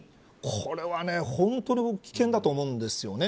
これは本当に危険だと思うんですよね。